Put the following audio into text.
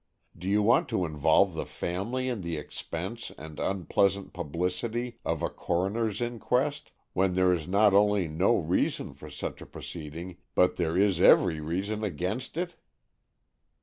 Do you want to involve the family in the expense and unpleasant publicity of a coroner's inquest, when there is not only no reason for such a proceeding, but there is every reason against it?"